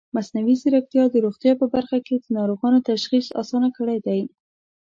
مصنوعي ځیرکتیا د روغتیا په برخه کې د ناروغانو تشخیص اسانه کړی دی.